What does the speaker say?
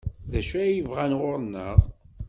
D acu ay bɣan ɣur-neɣ?